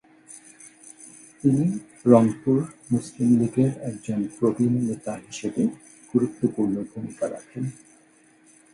তিনি রংপুর মুসলিমলীগের একজন প্রবীণ নেতা হিসাবে গুরুত্বপূর্ণ ভূমিকা রাখেন।